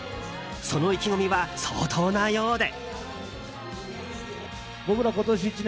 その意気込みは相当なようで。